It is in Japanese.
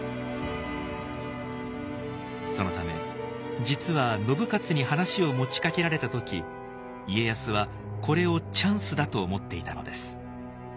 そのため実は信雄に話を持ちかけられた時家康はこれをチャンスだと思っていたのです。